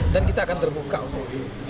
dan kita akan terbuka untuk itu